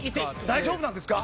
大丈夫なんですか？